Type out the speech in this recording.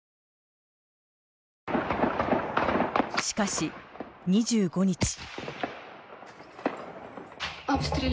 しかし、２５日。